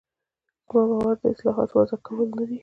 زما باور د اصطلاحاتو وضع کول نه دي.